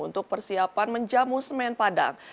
untuk persiapan menjamu semen padang